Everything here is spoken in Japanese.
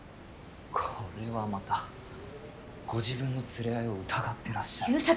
これはまたご自分の連れ合いを疑ってらっしゃる。